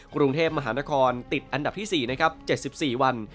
กรุงเทพมหานครติดอันดับที่๔นะครับ๗๔วัน